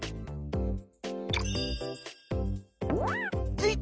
ついた！